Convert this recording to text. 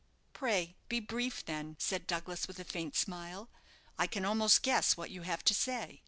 "Pray be brief, then," said Douglas with a faint smile. "I can almost guess what you have to say.